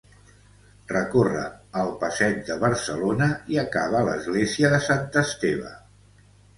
Recórre el Passeig de Barcelona i acaba a l'església de Sant Esteve.